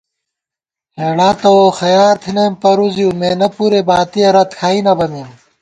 ہېڑا تہ ووخَیار تھنَئیم پرُوزِؤ ، مېنہ پُرے باتِیَہ رت کھائی نہ بَمېم